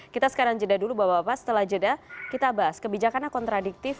kita sekarang jeda dulu bapak bapak setelah jeda kita bahas kebijakannya kontradiktif